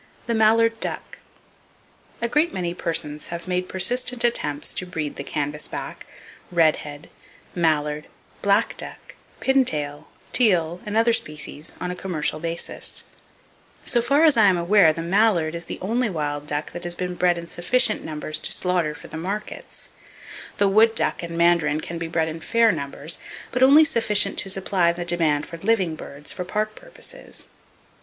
The Mallard Duck.—A great many persons have made persistent attempts to breed the canvasback, redhead, mallard, black duck, pintail, teal and other species, on a commercial basis. So far as I am aware the mallard is the only wild duck that has been bred in sufficient numbers to slaughter for the markets. The wood duck and mandarin can be bred in fair numbers, but only sufficient to supply the demand for living birds, for park purposes.